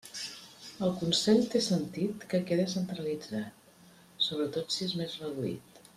El Consell té sentit que quede centralitzat, sobretot si és més reduït.